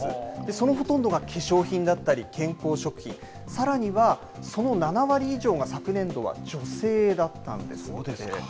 そのほとんどが化粧品だったり、健康食品、さらには、その７割以上が昨年度は女性だったんですって。